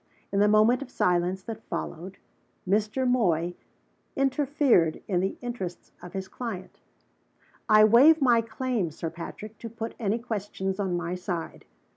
In the moment of silence that followed, Mr. Moy interfered in the interests of his client. "I waive my claim, Sir Patrick, to put any questions on my side.